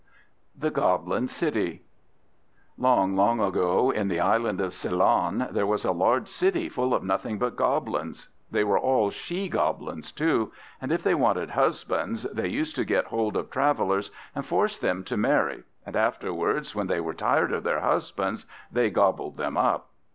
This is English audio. THE GOBLIN CITY Long, long ago, in the island of Ceylon, there was a large city full of nothing but Goblins. They were all She goblins, too; and if they wanted husbands, they used to get hold of travellers and force them to marry; and afterwards, when they were tired of their husbands, they gobbled them up.